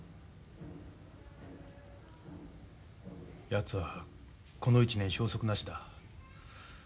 やつはこの１年消息なしだ。